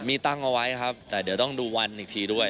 มีตั้งเอาไว้ครับแต่เดี๋ยวต้องดูวันอีกทีด้วย